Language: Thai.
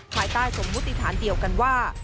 ภายใต้สมมุติฐานเดียวกันว่า